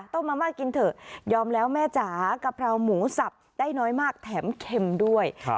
มาม่ากินเถอะยอมแล้วแม่จ๋ากะเพราหมูสับได้น้อยมากแถมเข็มด้วย